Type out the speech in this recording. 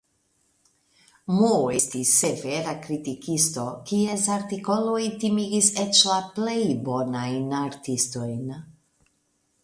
M. estis severa kritikisto, kies artikoloj timigis eĉ la plej bonajn artistojn.